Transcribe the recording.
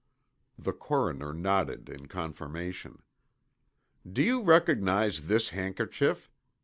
The coroner nodded in confirmation. "Do you recognize this handkerchief?"